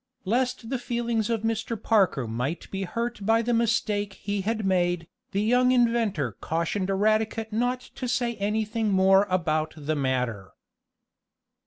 Lest the feelings of Mr. Parker might be hurt by the mistake he had made, the young inventor cautioned Eradicate not to say anything more about the matter.